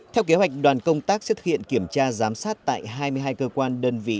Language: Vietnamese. theo kế hoạch đoàn công tác sẽ thực hiện kiểm tra giám sát tại hai mươi hai cơ quan đơn vị